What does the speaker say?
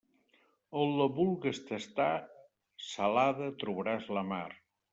On la vulgues tastar, salada trobaràs la mar.